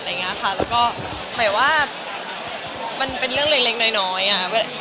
หมายว่ามันเป็นเรื่องเล็งน้อยอ่ะ